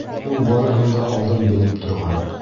Ул барыһын да алдан белеп торған.